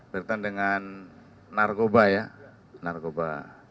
berkaitan dengan narkoba ya narkoba